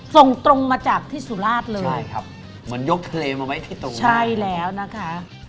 ส่งตรงมาจากที่สุราชเลยใช่ครับเหมือนยกทะเลมาไว้ที่ตรงใช่แล้วนะคะ